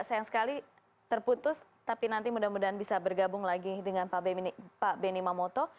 sayang sekali terputus tapi nanti mudah mudahan bisa bergabung lagi dengan pak benny mamoto